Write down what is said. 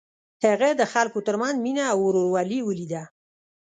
هغه د خلکو تر منځ مینه او ورورولي ولیده.